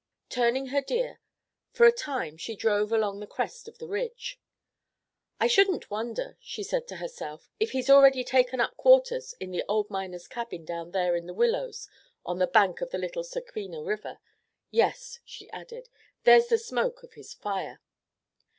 Turning her deer, for a time she drove along the crest of the ridge. "I shouldn't wonder," she said to herself, "if he's already taken up quarters in the old miner's cabin down there in the willows on the bank of the Little Soquina River. Yes," she added, "there's the smoke of his fire.